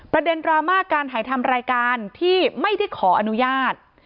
ดราม่าการถ่ายทำรายการที่ไม่ได้ขออนุญาต